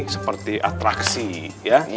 seperti atraksi ya